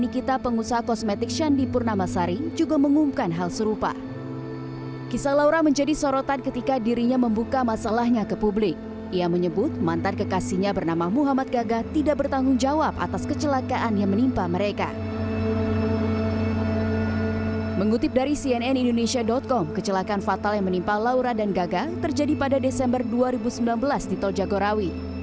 kisah yang menimpa laura dan gaga terjadi pada desember dua ribu sembilan belas di tol jagorawi